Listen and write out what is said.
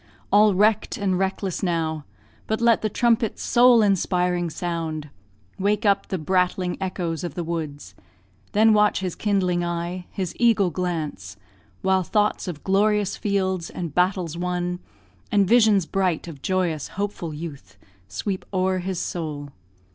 All wreck'd and reckless now; But let the trumpet's soul inspiring sound Wake up the brattling echoes of the woods, Then watch his kindling eye his eagle glance While thoughts of glorious fields, and battles won, And visions bright of joyous, hopeful youth Sweep o'er his soul.